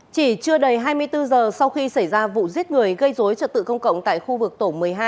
chỉ chưa đầy hai mươi bốn giờ sau khi xảy ra vụ giết người gây dối trật tự công cộng tại khu vực tổ một mươi hai